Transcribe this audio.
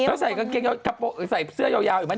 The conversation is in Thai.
เขาใส่กางเกงเยาว์ใส่เสื้อยาวอยู่ไหม